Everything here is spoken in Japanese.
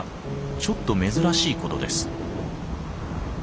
ちょっと珍しいことです。